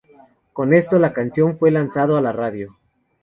Con esto, la canción fue lanzado a la radio.